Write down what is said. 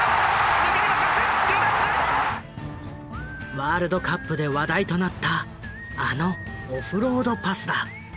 ワールドカップで話題となったあのオフロードパスだ。